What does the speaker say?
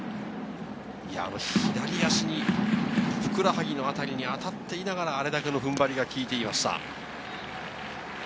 左足のふくらはぎの辺りに当たっていながら、あれだけの踏ん張りが効いていました。